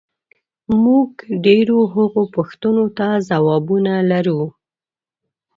موږ ډېرو هغو پوښتنو ته ځوابونه لرو،